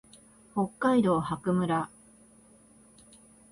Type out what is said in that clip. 北海道泊村